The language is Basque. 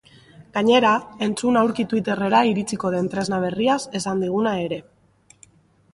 Gainera, entzun aurki twitter-era iritsiko den tresna berriaz esan diguna ere.